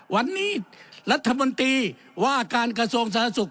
วันนี้รัฐมนตรีว่าการกระทรวงสาธารณสุข